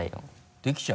できちゃう？